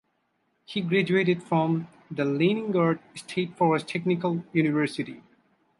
He graduated from the Leningrad State Forest Technical University.